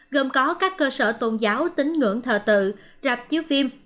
gồm có các cơ sở tôn giáo tính ngưỡng thờ tự rạp chiếu phim